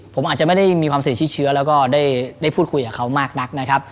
ผมอาจจะไม่ได้มีความเสี่ยงที่เชื้อแล้วก็ได้พูดคุยกับเขามากนักนะครับ